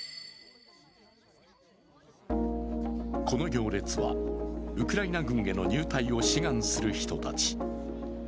この行列は、ウクライナ軍への入隊を志願する人たち。